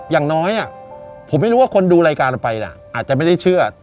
อย่างน้อยผมไม่รู้ว่าคนดูรายการเราไปอาจจะไม่ได้เชื่อ